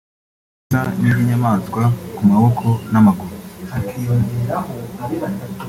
uretse ibinono gusa bisa n’iby’inyamaswa ku maboko n’amaguru